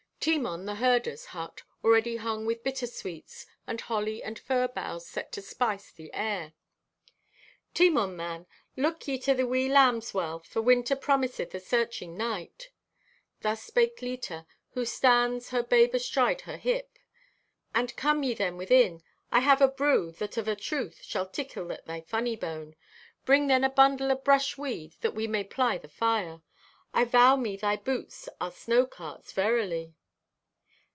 Timon, the herder's hut, already hung with bitter sweets, and holly and fir boughs set to spice the air. "Timon, man, look ye to the wee lambs well, for winter promiseth a searching night." Thus spake Leta, who stands, her babe astride her hip. "And come ye then within. I have a brew that of a truth shall tickle at thy funny bone. Bring then a bundle o' brush weed that we may ply the fire. I vow me thy boots are snow carts, verily!